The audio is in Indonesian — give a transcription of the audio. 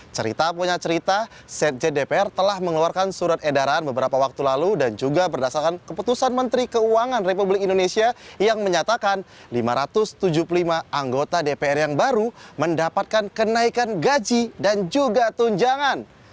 cerita punya cerita sekjen dpr telah mengeluarkan surat edaran beberapa waktu lalu dan juga berdasarkan keputusan menteri keuangan republik indonesia yang menyatakan lima ratus tujuh puluh lima anggota dpr yang baru mendapatkan kenaikan gaji dan juga tunjangan